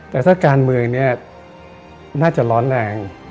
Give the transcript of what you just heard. แต่ถ้าการเมืองเนี่ยน่าจะร้อนแรง